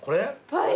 はい。